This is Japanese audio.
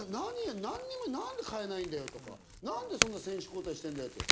何で替えないんだよとか何でそんな選手交代してんだよって。